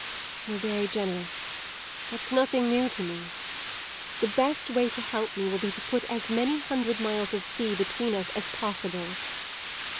"You're very generous; that's nothing new to me. The best way to help me will be to put as many hundred miles of sea between us as possible."